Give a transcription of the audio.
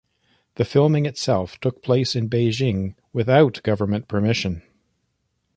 The filming itself took place in Beijing, without government permission.